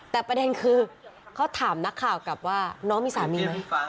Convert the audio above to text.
แต่ประเด็นคือเขาถามนักข่าวกลับว่าน้องมีสามีไหม